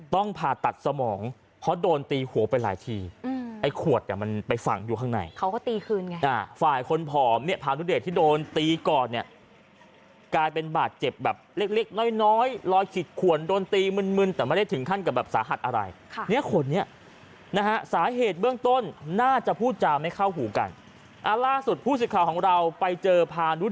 ต้องผ่าตัดสมองเพราะโดนตีหัวไปหลายทีไอ้ขวดเนี่ยมันไปฝั่งอยู่ข้างในเขาก็ตีคืนไงฝ่ายคนผอมเนี่ยพาณุเดชที่โดนตีก่อนเนี่ยกลายเป็นบาดเจ็บแบบเล็กน้อยรอยขิดขวนโดนตีมึนแต่ไม่ได้ถึงขั้นกับแบบสาหัสอะไรเนี่ยขนนี้นะฮะสาเหตุเบื้องต้นน่าจะพูดจะไม่เข้าหูกันล่าสุดผู้สิทธิ์ข่า